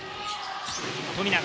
富永。